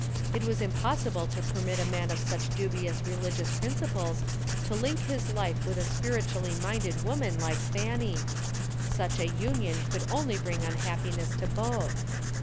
It was impossible to permit a man of such dubious religious principles to link his life with a spiritually minded woman like Fanny. Such a union could only bring unhappiness to both.